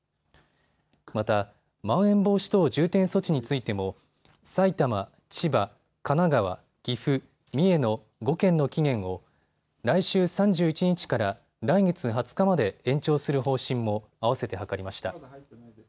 また、まん延防止等重点措置についても埼玉、千葉、神奈川、岐阜、三重の５県の期限を来週３１日から来月２０日まで延長する方針もあわせて諮りました。